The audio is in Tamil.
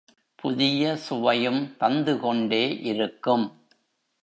புதிய சுவையும் தந்துகொண்டே இருக்கும்.